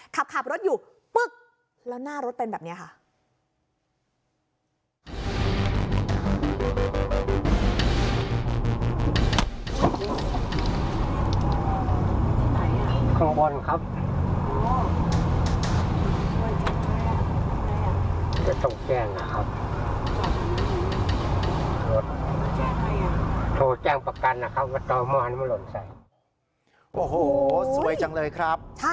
ขับรถอยู่ปึ๊กแล้วหน้ารถเป็นแบบนี้ค่ะ